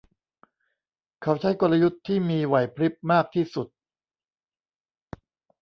เขาใช้กลยุทธ์ที่มีไหวพริบมากที่สุด